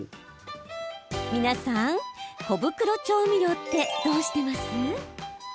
皆さん小袋調味料ってどうしてます？